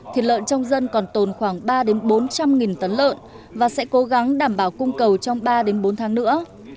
thịt lợn trong dân còn tồn khoảng ba bốn trăm linh tấn lợn và sẽ cố gắng đảm bảo cung cầu trong ba bốn tháng nữa